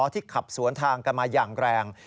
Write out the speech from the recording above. ที่ขับสวนทางกันมาอย่างแรง